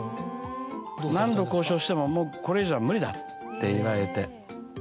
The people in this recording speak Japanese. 何度交渉しても「もうこれ以上は無理だ」って言われて。